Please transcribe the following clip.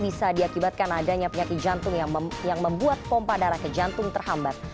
bisa diakibatkan adanya penyakit jantung yang membuat pompa darah ke jantung terhambat